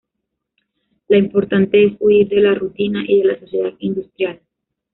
Lo importante es huir de la rutina y de la sociedad industrial.